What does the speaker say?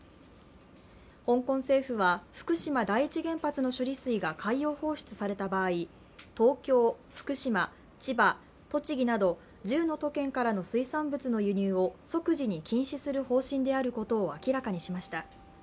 香港政府は福島第一原発の処理水が海洋放出された場合、東京、福島、千葉、栃木など１０の都県からの水産物の輸入を即時に禁止する方針であることを明らかにしました。